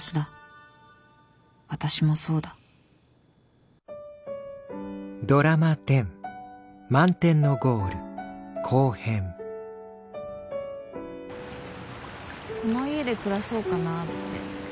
私もそうだこの家で暮らそうかなって。